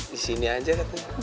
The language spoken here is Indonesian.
disini aja kak